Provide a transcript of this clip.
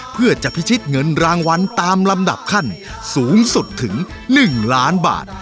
เพื่อจะพิชิตเงินรางวัลตามลำดับขั้นสูงสุดถึง๑ล้านบาท